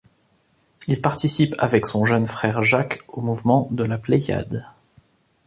Il participe avec son jeune frère Jacques au mouvement de la Pléïade.